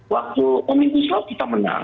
waktu omnibus law kita menang